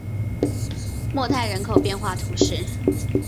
莫泰人口变化图示